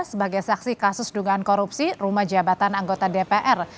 sebagai saksi kasus dugaan korupsi rumah jabatan anggota dpr